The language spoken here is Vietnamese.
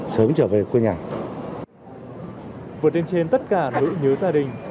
đồng chí đồng chí đồng chí